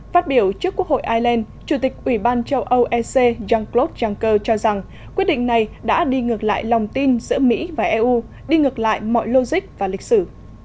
phát biểu trước quốc hội ireland chủ tịch ủy ban châu âu ec jean claude juncker cho rằng quyết định này đã đi ngược lại lòng tin giữa mỹ và eu đi ngược lại mọi logic và lịch sử